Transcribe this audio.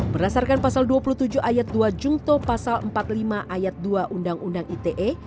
berdasarkan pasal dua puluh tujuh ayat dua jungto pasal empat puluh lima ayat dua undang undang ite